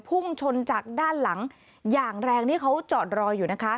พุ่งชนจากด้านหลังอย่างแรงนี่เขาจอดรออยู่นะคะ